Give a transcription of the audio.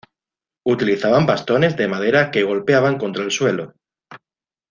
Utilizaban bastones de madera que golpeaban contra el suelo.